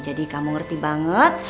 jadi kamu ngerti banget